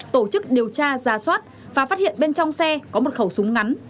tổ chức điều tra ra soát và phát hiện bên trong xe có một khẩu súng ngắn